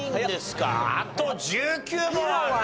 あと１９問は。